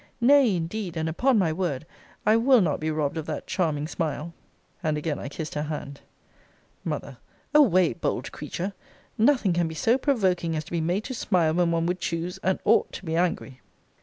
Nay, indeed, and upon my word, I will not be robbed of that charming smile! And again I kissed her hand. M. Away, bold creature! Nothing can be so provoking as to be made to smile when one would choose, and ought, to be angry.